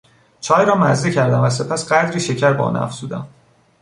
چای را مزه کردم و سپس قدری شکر به آن افزودم.